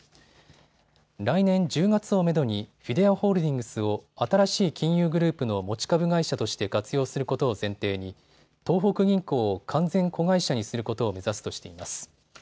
来年１０月をめどにフィデアホールディングスを新しい金融グループの持ち株会社として活用することを前提に東北銀行を完全子会社にすることを目指すとしています。